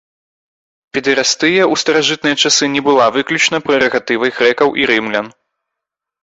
Педэрастыя ў старажытныя часы не была выключна прэрагатывай грэкаў і рымлян.